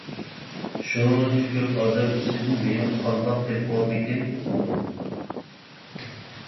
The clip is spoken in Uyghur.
شۇنچە كۆپ ئادەم ئىچىدىن مېنى قانداق تېپىۋالدىكىن ئۇقمىدىم.